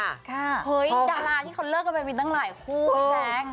เฮ้ยดาราที่เขาเลิกกันไปมีตั้งหลายคู่พี่แจ๊ค